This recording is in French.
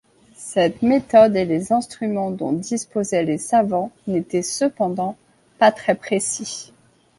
Cette méthode, et les instruments dont disposaient les savants, n'étaient cependant pas très précis.